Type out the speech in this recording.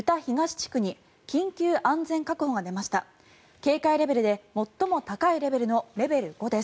警戒レベルで最も高いレベルのレベル５です。